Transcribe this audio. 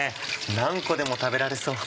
何個でも食べられそうな。